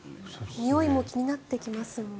においも気になってきますもんね。